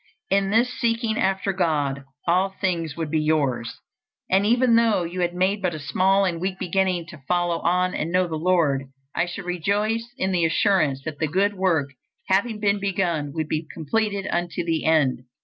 In this seeking after God, all things would be yours. And even though you had made but a small and weak beginning to follow on and know the Lord, I should rejoice in the assurance that the good work, having been begun, would be completed unto the end.